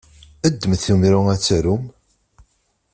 Ddmet imru ad tarum!